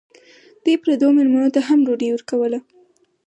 دوی پردو مېلمنو ته هم ډوډۍ ورکوله.